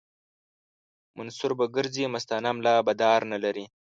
منصور به ګرځي مستانه ملا به دار نه لري